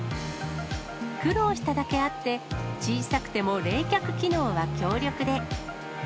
苦労しただけあって、小さくても冷却機能は強力で。